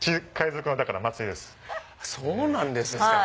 そうなんですか。